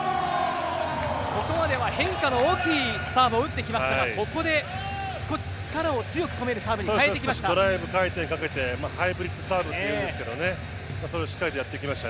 ここまでは変化の大きいサーブを打ってきましたがここで少し強く込めるサーブに変えていきました。